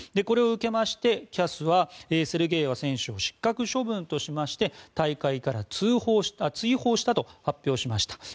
これを受けまして、ＣＡＳはセルゲエワ選手を失格処分としまして大会から追放したと発表しました。